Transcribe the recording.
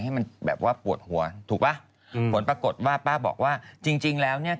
ให้มันแบบว่าปวดหัวถูกป่ะอืมผลปรากฏว่าป้าบอกว่าจริงจริงแล้วเนี่ย